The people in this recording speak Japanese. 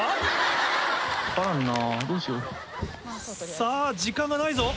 さぁ時間がないぞ。